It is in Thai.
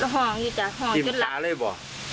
ห่องอยู่จ้ะห่องจุดหลักกลิ่นตาเลยเหรอ